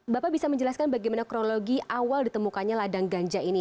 bapak bisa menjelaskan bagaimana kronologi awal ditemukannya ladang ganja ini